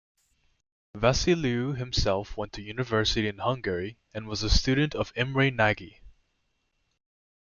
Vassiliou himself went to university in Hungary and was a student of Imre Nagy.